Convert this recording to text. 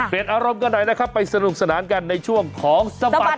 อารมณ์กันหน่อยนะครับไปสนุกสนานกันในช่วงของสบัด